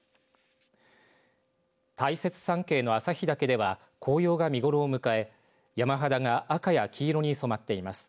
大雪山系の旭岳では紅葉が見頃を迎え山肌が赤や黄色に染まっています。